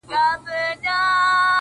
پر تندي يې شنه خالونه زما بدن خوري-